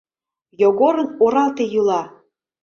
— Йогорын оралте йӱла!..